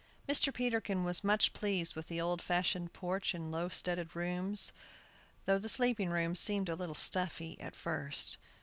Mrs. Peterkin was much pleased with the old fashioned porch and low studded rooms, though the sleeping rooms seemed a little stuffy at first.